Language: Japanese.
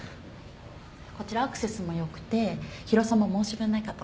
こちらアクセスもよくて広さも申し分ないかと